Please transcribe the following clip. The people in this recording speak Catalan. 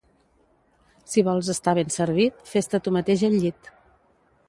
Si vols estar ben servit, fes-te tu mateix el llit.